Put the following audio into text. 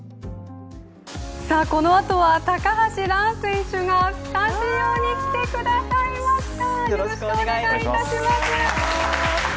このあとは高橋藍選手がスタジオに来てくださいました。